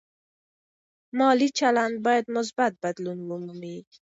مالي چلند باید مثبت بدلون ومومي.